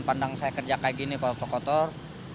pandang saya kerja kayak gini kotor kotor